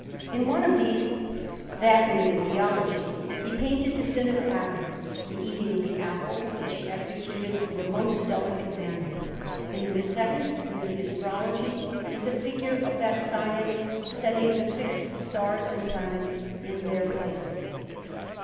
In one of these, that near the Theology, he painted the Sin of Adam, the eating of the apple, which he executed with a most delicate manner; and in the second, near the Astrology, is a figure of that science setting the fixed stars and planets in their places.